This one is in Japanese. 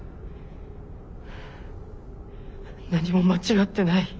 何も間違ってない。